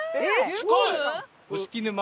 近い！